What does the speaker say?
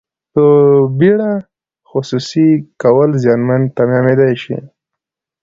په بیړه خصوصي کول زیانمن تمامیدای شي.